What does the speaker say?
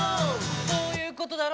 「そういうことだろ」